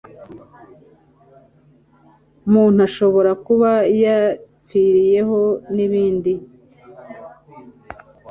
muntu ashobora kuba yapfiriyeho n ibindi